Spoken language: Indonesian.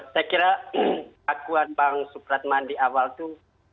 saya kira akuan bang supratman di awal itu